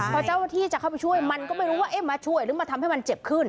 พอเจ้าหน้าที่จะเข้าไปช่วยมันก็ไม่รู้ว่าเอ๊ะมาช่วยหรือมาทำให้มันเจ็บขึ้น